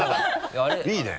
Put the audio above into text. いいね。